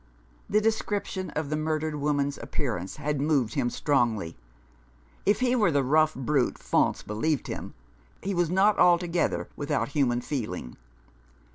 The description of the murdered woman's appear ance had moved him strongly. If he were the rough brute Faunce believed him, he was not altogether without human feeling.